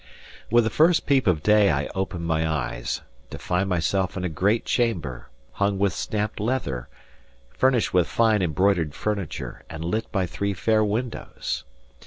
With the first peep of day I opened my eyes, to find myself in a great chamber, hung with stamped leather, furnished with fine embroidered furniture, and lit by three fair windows.